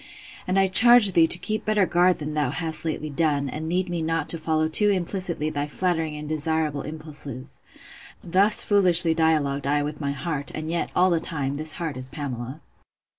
And I charge thee to keep better guard than thou hast lately done, and lead me not to follow too implicitly thy flattering and desirable impulses. Thus foolishly dialogued I with my heart; and yet, all the time, this heart is Pamela.